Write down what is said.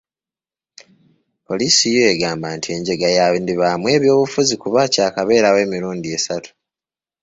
Poliisi yo egamba nti enjega yandibaamu ebyobufuzi kuba kyakabeerawo emirundi esatu.